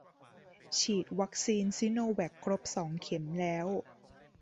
ฉีดวัคซีนซิโนแวคครบสองเข็มแล้ว